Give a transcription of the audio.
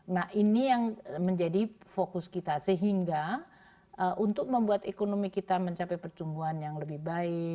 nah ini yang menjadi fokus kita sehingga untuk membuat ekonomi kita mencapai pertumbuhan yang lebih baik